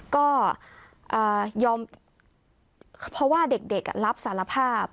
ก็อ่ายอมเพราะว่าเด็กเด็กอ่ะรับสารภาพ